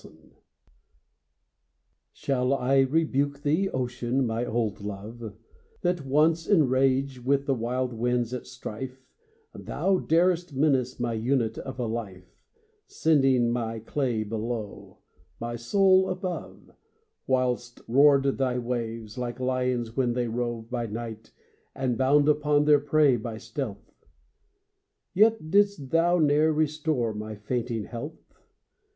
] Shall I rebuke thee, Ocean, my old love, That once, in rage, with the wild winds at strife, Thou darest menace my unit of a life, Sending my clay below, my soul above, Whilst roar'd thy waves, like lions when they rove By night, and bound upon their prey by stealth! Yet didst thou n'er restore my fainting health?